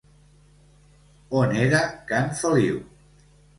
On era Can Feliu?